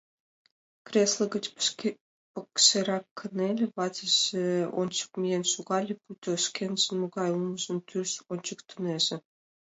Кресле гыч пыкшерак кынеле, ватыже ончык миен шогале, пуйто шкенжын могай улмыжым тӱрыс ончыктынеже.